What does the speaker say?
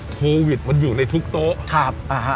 โควิดมันอยู่ในทุกโต๊ะ